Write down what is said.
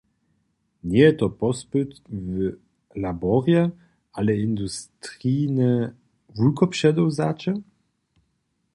Njeje to pospyt w laborje, ale industrijne wulkopředewzaće.